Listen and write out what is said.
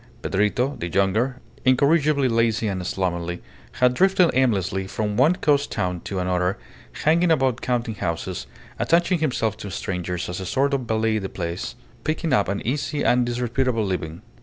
Pedrito, the younger, incorrigibly lazy and slovenly, had drifted aimlessly from one coast town to another, hanging about counting houses, attaching himself to strangers as a sort of valet de place, picking up an easy and disreputable living.